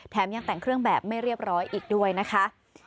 ยังแต่งเครื่องแบบไม่เรียบร้อยอีกด้วยนะคะ